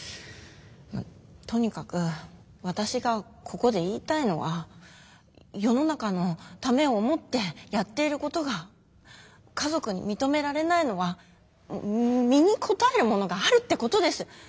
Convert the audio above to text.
とにかく私がここで言いたいのは世の中のためを思ってやっていることが家族に認められないのは身にこたえるものがあるってことです！